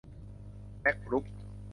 แม็คกรุ๊ป